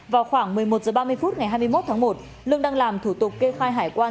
vào khoảng một mươi một h ba mươi phút ngày hai mươi một tháng một lương đang làm thủ tục kê khai hải quan